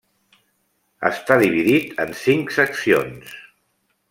Està dividit en cinc seccions.